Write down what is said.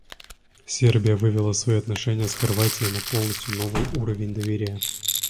Сербия вывела свои отношения с Хорватией на полностью новый уровень доверия.